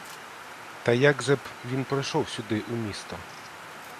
Та як же б він пройшов сюди у місто?